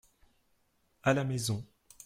À la maison.